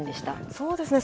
そうですね。